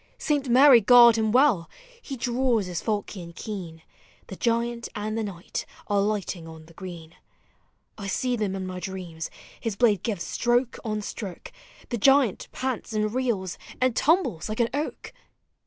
Saint Mary guard him well! he draws his fal chion keen. The giant and the knight— are lighting on the green. I see them in my dreams— his blade gives stroke on stroke, The giant pants and reels— and tumbles like an oak!